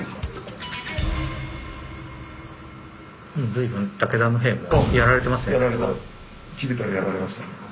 随分武田の兵もやられてますよね。